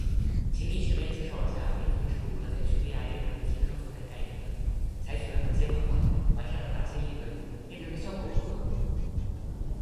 请你全面介绍一下美军是如何在叙利亚验证“抵抗作战概念”的，采取了哪些方法，完善了哪些理论，验证的效果如何？